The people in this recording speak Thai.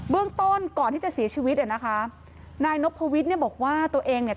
เรื่องต้นก่อนที่จะเสียชีวิตอ่ะนะคะนายนพวิทย์เนี่ยบอกว่าตัวเองเนี่ย